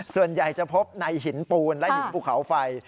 ส่วนใหญ่จะพบในหินปูนและหินภูเขาไฟ